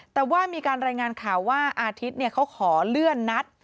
แต่ว่ามีการรายงานข่าวว่าอาทิตย์เขาขอเลื่อนนัด